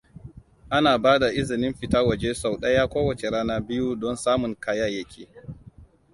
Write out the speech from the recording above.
ana bada izinin fita waje sau ɗaya kowace rana biyu don samun kayayyaki